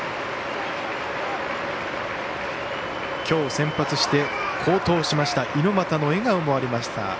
きょう先発して好投しました猪俣の笑顔もありました。